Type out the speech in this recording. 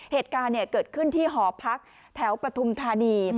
เหตุการณ์เกิดขึ้นที่หอพักแถวปฐุมธานี